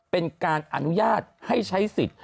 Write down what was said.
เป็นการอนุญาตให้ใช้สิทธิ์